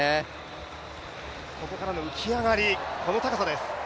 ここからの浮き上がり、この高さです。